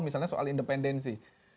misalnya soal independensi